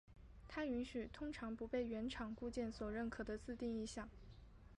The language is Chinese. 它允许通常不被原厂固件所认可的自定义项。